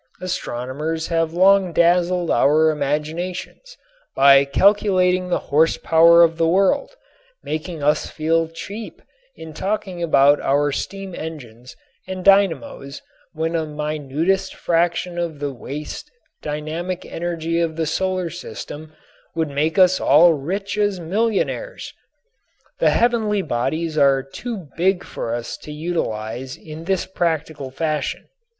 Astronomers have long dazzled our imaginations by calculating the horsepower of the world, making us feel cheap in talking about our steam engines and dynamos when a minutest fraction of the waste dynamic energy of the solar system would make us all as rich as millionaires. But the heavenly bodies are too big for us to utilize in this practical fashion.